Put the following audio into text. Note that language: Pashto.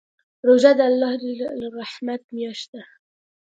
روژه د الله د رحمت میاشت ده.